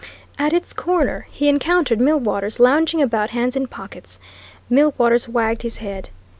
At its corner he encountered Millwaters, lounging about hands in pockets. Millwaters wagged his head.